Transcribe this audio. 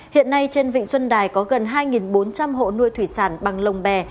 hiện nay trên vịnh xuân đài có gần hai bốn trăm linh hộ nuôi thủy sản bằng lòng bé